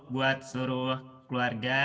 buat seluruh keluarga